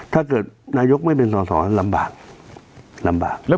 ถ้าเกิดนายกไม่เป็นสอสอลำบากลำบาก